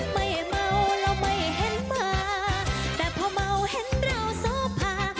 ไม่เมาเราไม่เห็นมาแต่พอเมาเห็นเราโสภา